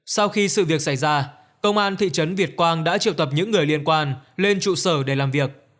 sau khi sự việc xảy ra công an thị trấn việt quang đã triệu tập những người liên quan lên trụ sở để làm việc